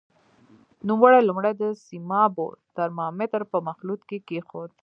نوموړی لومړی د سیمابو ترمامتر په مخلوط کې کېښود.